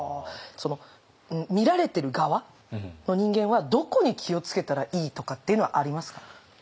見られてる側の人間はどこに気を付けたらいいとかっていうのはありますか？